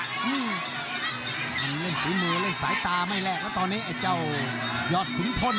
มันเล่นฝีมือเล่นสายตาไม่แลกแล้วตอนนี้ไอ้เจ้ายอดขุนพล